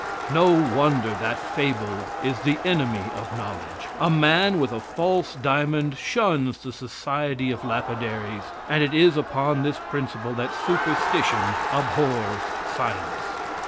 No wonder that fable is the enemy of knowledge. A man with a false diamond shuns the society of lapidaries, and it is upon this principle that superstition abhors science.